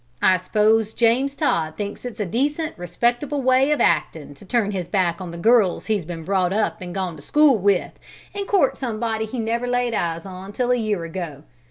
I s'pose James Todd thinks it's a decent, respectable way of actin', to turn his back on the girls he's been brought up an' gone to school with, and court somebody he never laid eyes on till a year ago.